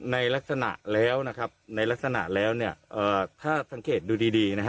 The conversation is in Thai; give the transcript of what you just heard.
ในลักษณะแล้วนะครับในลักษณะแล้วเนี่ยถ้าสังเกตดูดีดีนะฮะ